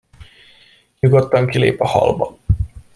Nyugodtan kilép a hallba.